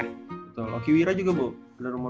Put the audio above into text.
betul okiwira juga bo